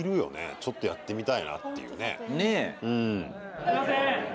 ちょっとやってみたいなっていうね。